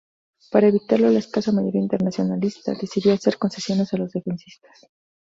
Para evitarlo, la escasa mayoría internacionalista decidió hacer concesiones a los defensistas.